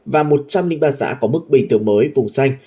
và một trăm linh ba xã có mức bình thường mới vùng xanh